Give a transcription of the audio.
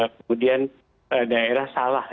kemudian daerah salah